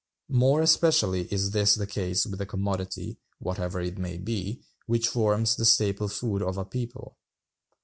More especially is this the case with the commodity, whatever it may be, which forms the staple food of a people.